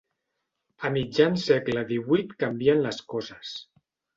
A mitjan segle divuit canvien les coses.